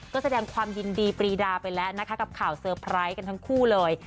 ก็แสดงความยินดีปรีดาไปแล้วนะคะกับข่าวเซอร์ไพรส์กันทั้งคู่เลย